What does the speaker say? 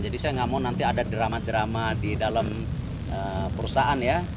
jadi saya tidak mau nanti ada drama drama di dalam perusahaan ya